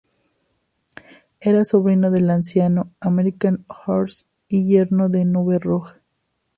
Era sobrino del anciano American Horse y yerno de Nube Roja.